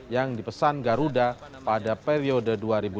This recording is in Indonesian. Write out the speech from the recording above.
yang dipesan garuda pada periode dua ribu lima dua ribu empat belas